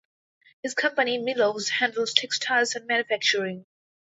His company, Milos, handles textiles and manufacturing.